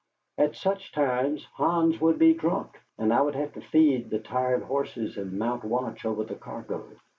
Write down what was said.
At such times Hans would be drunk, and I would have to feed the tired horses and mount watch over the cargo.